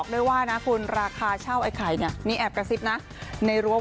ที่วัดทุกศรีมีสิ่งศักดิ์สิทธิ์เพิ่มขึ้น